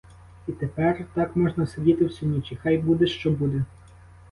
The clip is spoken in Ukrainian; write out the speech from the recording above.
І тепер так можна сидіти всю ніч — і хай буде, що буде.